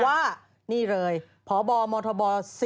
ว่านี่เลยพบมบ๔๑๔๑